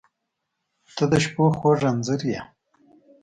• ته د شپو خوږ انځور یې.